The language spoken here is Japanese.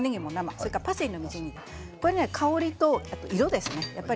それからパセリのみじん切り香りと色ですね。